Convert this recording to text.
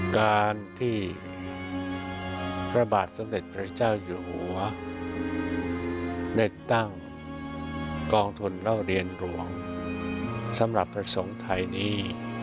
การที่พระบาทสมเด็จพระเจ้าอยู่หัวได้ตั้งกองทุนเล่าเรียนหลวงสำหรับพระสงฆ์ไทยนี้